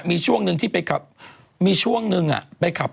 มีช่วงนึงที่ไปขับ